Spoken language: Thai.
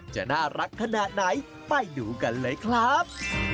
จะน่ารักขนาดไหนไปดูกันเลยครับ